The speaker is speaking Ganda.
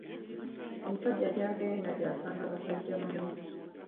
Omusajja jagenda jasanga basajja banne .